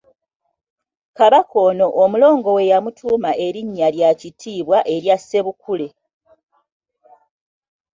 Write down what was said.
Kabaka ono Omulongo we yamutuuma erinnya lya kitiibwa erya Ssebukuule.